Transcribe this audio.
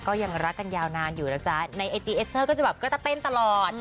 ก็ยังรักกันยาวนานอยู่นะจ๊ะในไอจีเอสเตอร์ก็จะแบบก็จะเต้นตลอด